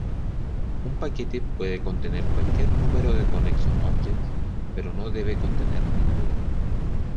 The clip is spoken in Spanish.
Un paquete puede contener cualquier número de connection objects, pero no debe contener ninguno.